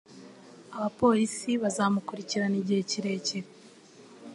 Abapolisi bazamukurikirana igihe kirekire.